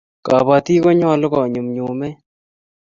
kabatik konyalun konyum nyumen